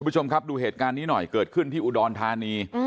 คุณผู้ชมครับดูเหตุการณ์นี้หน่อยเกิดขึ้นที่อุดรธานี